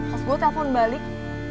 terus gue telpon balik